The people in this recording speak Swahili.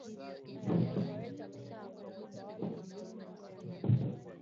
Maeneo yote yanayodhaniwa kuwa na ugonjwa wa kimeta inabidi yawekwe karantini